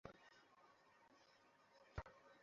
এটি ধারাবাহিক আকারের খেলা।